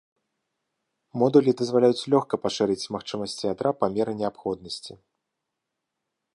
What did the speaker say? Модулі дазваляюць лёгка пашырыць магчымасці ядра па меры неабходнасці.